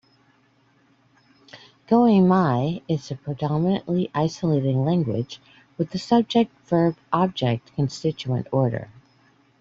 Goemai is a predominantly isolating language with the subject-verb-object constituent order.